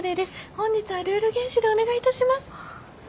「本日はルール厳守でお願いいたします」